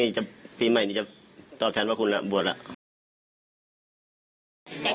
รักพี่ใหม่นี่จะตอบแทนว่าคุณบวชแล้ว